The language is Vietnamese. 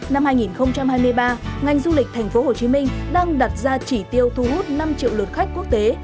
năm hai nghìn hai mươi ba ngành du lịch tp hcm đang đặt ra chỉ tiêu thu hút năm triệu lượt khách quốc tế